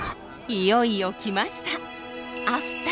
いよいよ来ました！